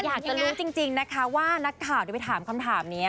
อยากจะรู้จริงนะคะว่านักข่าวที่ไปถามคำถามนี้